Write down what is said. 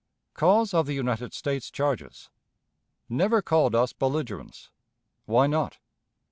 Cause of the United States Charges. Never called us Belligerents. Why not?